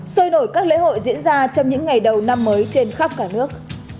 sôi nổi các lễ hội diễn ra trong những ngày đầu năm mới trên khắp cả nước